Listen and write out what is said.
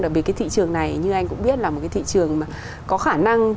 đặc biệt cái thị trường này như anh cũng biết là một cái thị trường